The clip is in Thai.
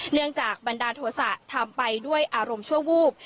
เนื่องจากบรรดาโทษะทำไปด้วยอารมณ์ชั่ววูบ